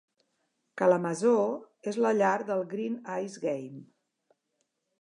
Kalamazoo és la llar del "Green Ice Game".